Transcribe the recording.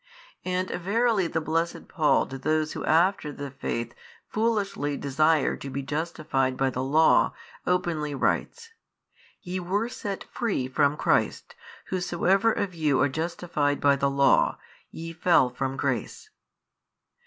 And verily the blessed Paul to those who after the faith foolishly desire to be justified by the law, openly writes, Ye were set free 23 from Christ, whosoever of you are justified by the law, ye fell from grace.